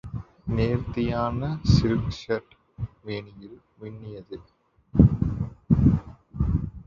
நேர்த்தியான silk shirt மேனியில் மின்னியது.